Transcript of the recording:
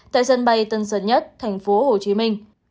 tại dân bay tân sân nhất tp hồ chí minh